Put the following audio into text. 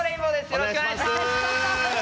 よろしくお願いします！